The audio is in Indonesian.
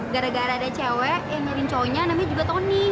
gara gara ada cewek yang nyari cowoknya namanya juga tony